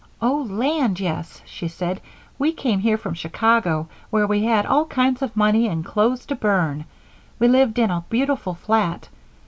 "Oh, land, yes," she said, "we came here from Chicago where we had all kinds of money, and clothes to burn we lived in a beautiful flat.